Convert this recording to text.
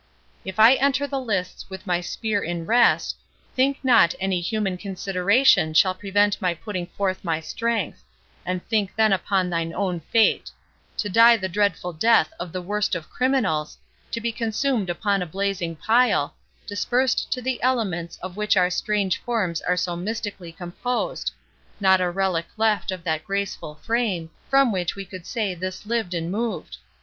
If I enter the lists with my spear in rest, think not any human consideration shall prevent my putting forth my strength; and think then upon thine own fate—to die the dreadful death of the worst of criminals—to be consumed upon a blazing pile—dispersed to the elements of which our strange forms are so mystically composed—not a relic left of that graceful frame, from which we could say this lived and moved!